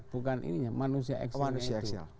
bukan ini ya manusia eksilnya itu